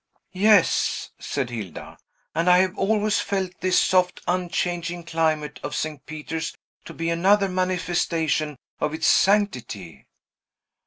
"Yes," said Hilda; "and I have always felt this soft, unchanging climate of St. Peter's to be another manifestation of its sanctity."